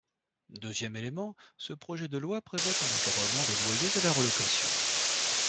Deuxième élément, ce projet de loi prévoit un encadrement des loyers à la relocation.